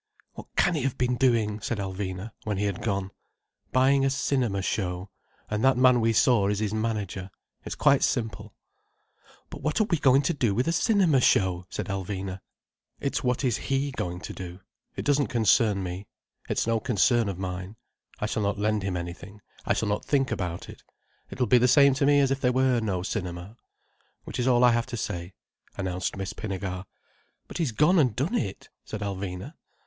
"What can he have been doing?" said Alvina when he had gone. "Buying a cinema show—and that man we saw is his manager. It's quite simple." "But what are we going to do with a cinema show?" said Alvina. "It's what is he going to do. It doesn't concern me. It's no concern of mine. I shall not lend him anything, I shall not think about it, it will be the same to me as if there were no cinema. Which is all I have to say," announced Miss Pinnegar. "But he's gone and done it," said Alvina.